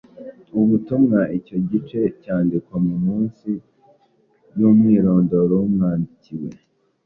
ubutumwa. Icyo gice cyandikwa munsi y’umwirondoro w’uwandikiwe,